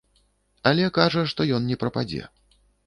Але кажа, што ён не прападзе.